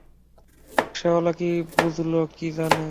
রিকশাওয়ালা কী বুঝল কে জানে।